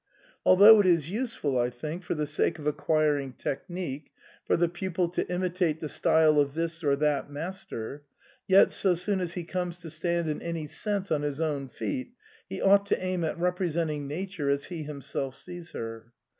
Al though it is useful, I think, for the sake of acquiring technique, for the pupil to imitate the style of this or that master, yet, so soon as he comes to stand in any sense on his own feet, he ought to aim at representing Nature as he himself sees her.